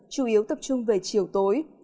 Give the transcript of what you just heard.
chủ yếu tập trung về chiều tối